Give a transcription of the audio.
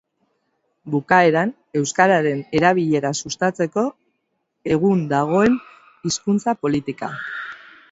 Bukaeran, euskararen erabilera sustatzeko egun dagoen hizkuntza-politika.